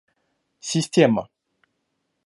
Система